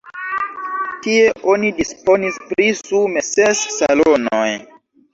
Tie oni disponis pri sume ses salonoj.